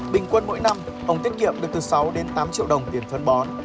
bình quân mỗi năm ông tiết kiệm được từ sáu đến tám triệu đồng tiền phân bó